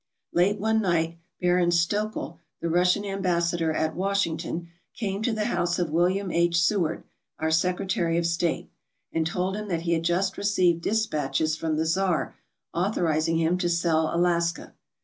Late one night Baron Stoeckl, the Russian ambassador at Washington, came to the house of William H. Seward, our Secretary of State, and told him that he had just re ceived dispatches from the Czar authorizing him to sell Alaska.